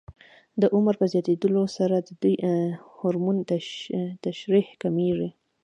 د عمر په زیاتېدلو سره د دې هورمون ترشح کمېږي.